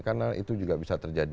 karena itu juga bisa terjadi